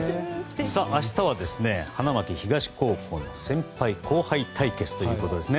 明日は花巻東高校の先輩・後輩対決ということですね。